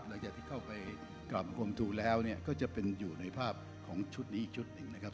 หลังจากที่เข้าไปกลับคมทูแล้วก็จะเป็นอยู่ในภาพของชุดนี้อีกชุดหนึ่งนะครับ